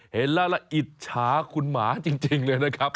เห็นแล้วละอิจฉาคุณหมาจริงเลยนะครับ